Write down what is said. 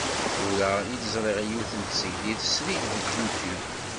Tura i d-ẓriɣ yiwet n tesgilt srid deg Youtube.